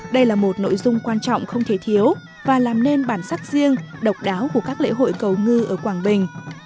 đây là một nội dung quan trọng không thể thiếu và làm nên bản sắc riêng độc đáo của các lễ hội cầu ngư ở quảng bình